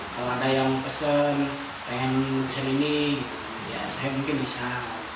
kalau ada yang pesen pengen bisa ini ya saya mungkin bisa